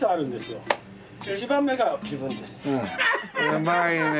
うまいね。